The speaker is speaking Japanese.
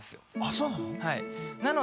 そうなの？